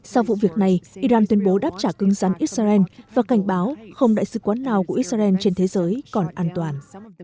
sau vụ việc này iran tuyên bố đáp trả cưng rắn israel và cảnh báo không đại sứ quán nào của israel trên thế giới còn an toàn